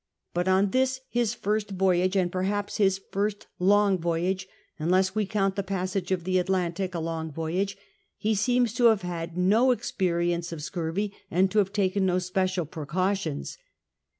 But on this, his first voyage, and perhaps his first long voyage, unless we count the passage of the Atlantic a long voyage, he seems to have had no experience of scurvy, and to have taken no special precautions.